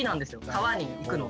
川に行くのが。